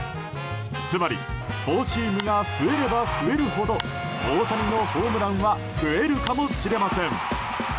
つまり、フォーシームが増えれば増えるほど大谷のホームランは増えるかもしれません。